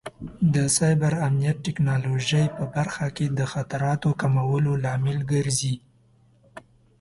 د سایبر امنیت د ټکنالوژۍ په برخه کې د خطراتو کمولو لامل ګرځي.